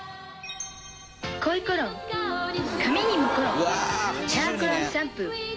恋コロン髪にもコロンヘアコロンシャンプー。